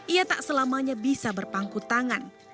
ia tak selamanya bisa berpangku tangan